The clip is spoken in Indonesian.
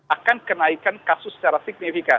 akan kenaikan kasus secara signifikan